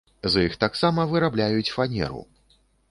З іх таксама вырабляюць фанеру.